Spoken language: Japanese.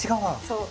そう。